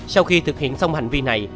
sau khi thực hiện xong hành vi này